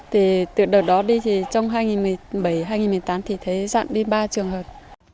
từ đợt đó đi thì trong hai nghìn một mươi bảy hai nghìn một mươi tám thì thấy dạng đi ba trường hợp